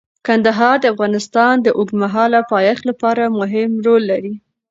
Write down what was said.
کندهار د افغانستان د اوږدمهاله پایښت لپاره مهم رول لري.